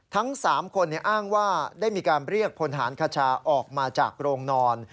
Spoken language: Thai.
ทั้ง๓คนอ้างว่าได้มีการเรียกพลฐานคชาออกมาจากโรงนอน